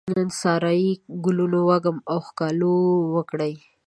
د سارایې ګلونو وږم او ښکالو وکرې